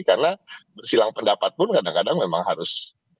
karena bersilang pendapat pun kadang kadang memang harus